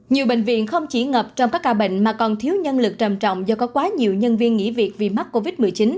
nhiều bệnh viện không chỉ ngập trong các ca bệnh mà còn thiếu nhân lực trầm trọng do có quá nhiều nhân viên nghỉ việc vì mắc covid một mươi chín